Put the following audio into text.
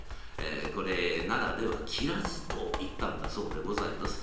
ええこれ奈良では「きらず」といったんだそうでございます。